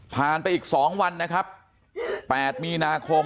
ผ่านไปอีก๒วันนะครับ๘มีนาคม๒๕๖๖